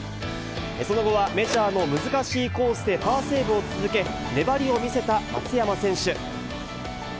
その後はメジャーの難しいコースでパーセーブを続け、粘りを見せた松山選手。